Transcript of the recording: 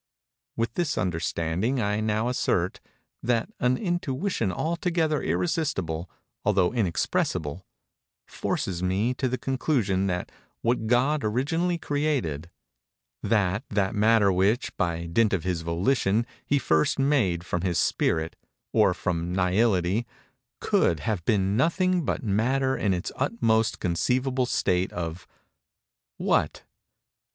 With this understanding, I now assert—that an intuition altogether irresistible, although inexpressible, forces me to the conclusion that what God originally created—that that Matter which, by dint of his Volition, he first made from his Spirit, or from Nihility, could have been nothing but Matter in its utmost conceivable state of——what?